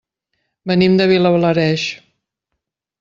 Venim de Vilablareix.